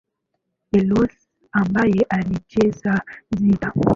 Eloise, ambaye alicheza gitaa